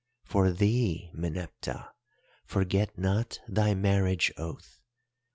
For thee, Meneptah, forget not thy marriage oath.